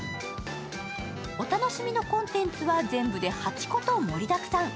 お楽しみのコンテンツは全部で８個と盛りだくさん。